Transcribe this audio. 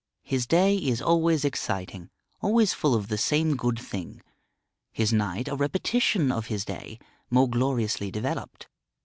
His day is always exciting, always full of the same good thing; his night a repetition of his day, more gloriously developed.